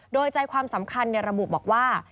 โดยใจความสำคัญระบุบอกว่า